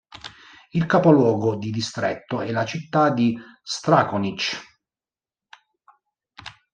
Il capoluogo di distretto è la città di Strakonice.